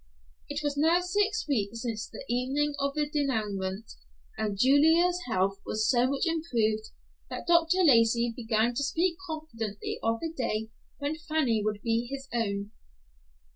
It was now six weeks since the evening of the denouement, and Julia's health was so much improved that Dr. Lacey began to speak confidently of the day when Fanny would be his own.